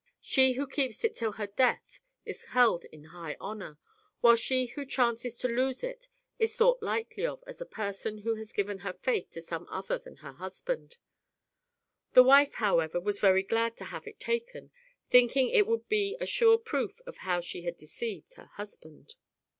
She who keeps it till her death is held in high honour, while she who chances to lose it, is thought lightly of as a person who has ffiven her faith to some other than her husband. FIRST T>AY: TALE nil. 5 The wife, however, was very glad to have it taken, thinking it would be a sure proof of how she had deceived her husband.